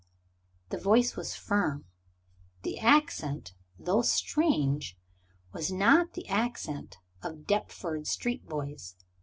The voice was firm; the accent, though strange, was not the accent of Deptford street boys.